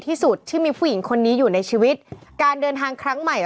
ที่สุดที่มีผู้หญิงคนนี้อยู่ในชีวิตการเดินทางครั้งใหม่